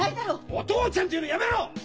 「おとうちゃん」って言うのやめろ！